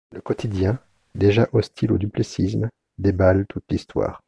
Le quotidien, déjà hostile au duplessisme, déballe toute l'histoire.